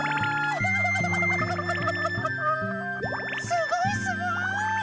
すごいすごい！